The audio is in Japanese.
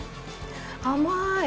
甘い。